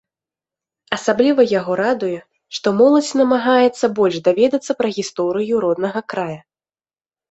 Асабліва яго радуе, што моладзь намагаецца больш даведацца пра гісторыю роднага края.